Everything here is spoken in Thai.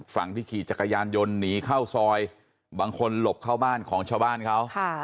ฝั่งที่ขี่จักรยานยนต์หนีเข้าซอยบางคนหลบเข้าบ้านของชาวบ้านเขา